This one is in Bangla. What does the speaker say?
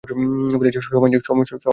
সময় নেই, মা।